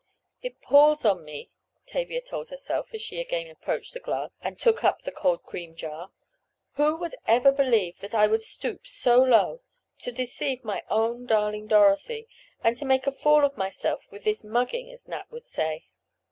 "It palls on me," Tavia told herself, as she again approached the glass and took up the cold cream jar. "Who would ever believe that I would stoop so low! To deceive my own darling Dorothy! And to make a fool of myself with this 'mugging' as Nat would say."